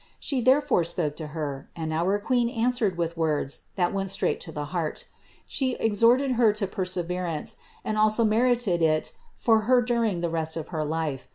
She therefore spoke to Her, and our Queen answered with words that went straight to the heart ; She exhorted her to perseverance and also merited it for her during the rest of her life.